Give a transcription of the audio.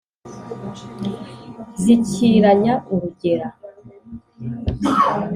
zikiranya urugera